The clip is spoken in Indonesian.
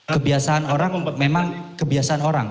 kebiasaan orang memang kebiasaan orang